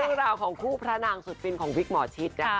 กลุ่มราวของคู่พระนางสุดฟินของวิกหมอชิต